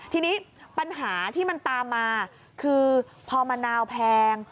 ทีนี้ปัญหาที่มันตามมาคือพอมะนาวแพง